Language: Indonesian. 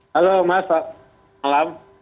halo mas pak selamat malam